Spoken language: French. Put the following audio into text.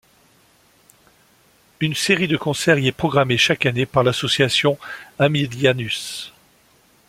Une série de concerts y est programmée chaque année par l’association Aemilianus.